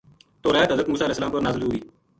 توریت حضرت موسی علیہ السلام اپر نازل ہوئی۔